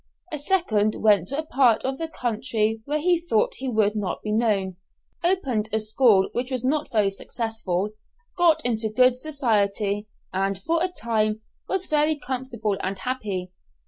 A second went to a part of the country where he thought he would not be known, opened a school which was not very successful, got into good society, and for a time was very comfortable and happy.